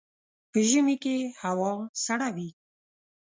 په ژمي کي هوا سړه وي.